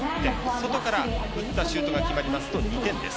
外から打ったシュートが決まりますと２点です。